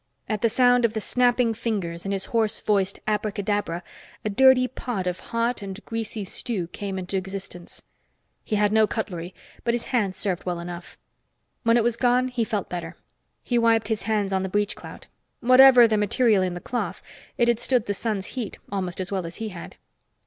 At the sound of the snapping fingers and his hoarse voiced "abracadabra," a dirty pot of hot and greasy stew came into existence. He had no cutlery, but his hands served well enough. When it was gone, he felt better. He wiped his hands on the breechclout. Whatever the material in the cloth, it had stood the sun's heat almost as well as he had.